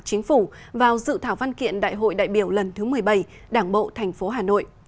chính phủ vào dự thảo văn kiện đại hội đại biểu lần thứ một mươi bảy đảng bộ thành phố hà nội